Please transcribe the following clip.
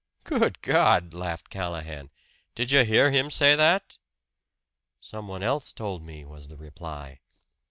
"Good God!" laughed Callahan. "Did you hear him say that?" "Some one else told me," was the reply.